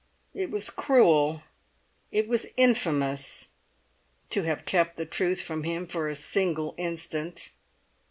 It was cruel, it was infamous, to have kept the truth from him for a single instant.